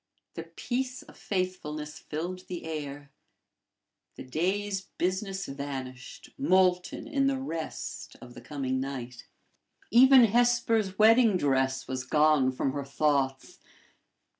The peace of faithfulness filled the air. The day's business vanished, molten in the rest of the coming night. Even Hesper's wedding dress was gone from her thoughts.